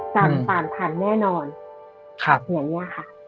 ต่ำสามพันแน่นอนอย่างนี้ค่ะ